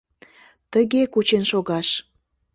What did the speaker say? Тыге кучен шогаш!